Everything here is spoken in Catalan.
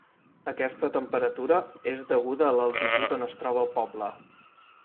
Aquesta temperatura és deguda a l'altitud on es troba el poble.